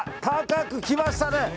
高くきましたね。